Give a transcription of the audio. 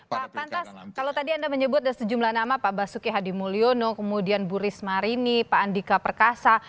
pak pantas kalau tadi anda menyebut ada sejumlah nama pak basuki hadi mulyono kemudian bu rismarini pak andika perkasa